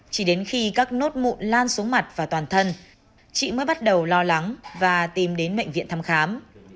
chỉ đến khi các nốt mụn lan xuống mặt và toàn thân chị mới bắt đầu lo lắng và tìm đến bệnh viện thăm khám